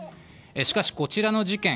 しかし、こちらの事件